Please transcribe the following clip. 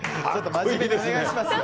真面目にお願いしますよ。